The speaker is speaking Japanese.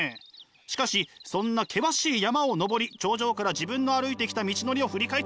しかしそんな険しい山を登り頂上から自分の歩いてきた道のりを振り返って見てください！